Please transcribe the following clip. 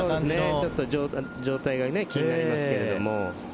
ちょっと状態が気になりますけど。